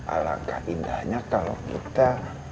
alangkah indahnya kalo kita